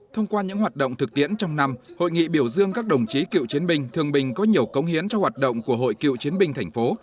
thông qua những hoạt động thực tiễn trong năm hội nghị biểu dương các đồng chí cựu chiến binh thương binh có nhiều công hiến cho hoạt động của hội cựu chiến binh thành phố